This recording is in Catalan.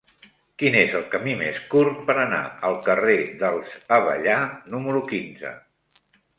Quin és el camí més curt per anar al carrer dels Avellà número quinze?